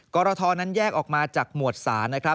กรทนั้นแยกออกมาจากหมวดสาร